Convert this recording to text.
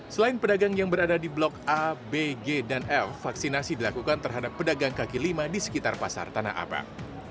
selain pedagang yang berada di blok a bg dan f vaksinasi dilakukan terhadap pedagang kaki lima di sekitar pasar tanah abang